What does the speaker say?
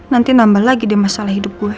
nanti nambah lagi deh masalah hidup gue